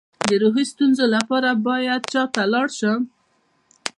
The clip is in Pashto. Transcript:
د روحي ستونزو لپاره باید چا ته لاړ شم؟